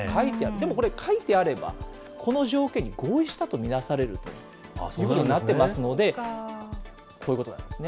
でもこれ、書いてあれば、この条件に合意したと見なされるということになってますので、こういうことなんですね。